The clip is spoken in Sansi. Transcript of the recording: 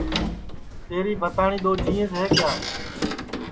تیری بھتاٹؔی دؔو جینٚیس ہے کیا